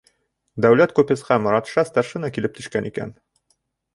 Дәүләт купецҡа Моратша старшина килеп төшкән икән.